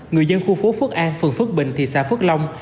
người dân khu phố phước an phường phước bình thị xã phước long